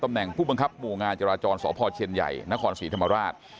แหน่งผู้บังคับหมู่งานจราจรสพเชียนใหญ่นครศรีธรรมราช